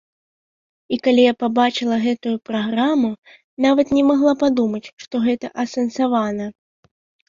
І калі я пабачыла гэтую праграму, нават не магла падумаць, што гэта асэнсавана.